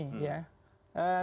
ya ketidakhadiran kami